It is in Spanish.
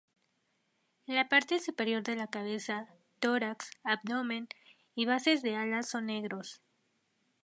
La parte superior de la cabeza, tórax, abdomen y bases de ala son negros.